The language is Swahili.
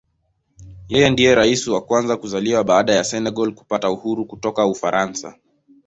Yeye ndiye Rais wa kwanza kuzaliwa baada ya Senegal kupata uhuru kutoka Ufaransa.